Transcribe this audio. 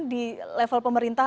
di level pemerintah